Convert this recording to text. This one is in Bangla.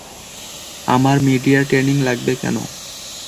আমার মিডিয়া ট্রেনিং লাগবে কেন?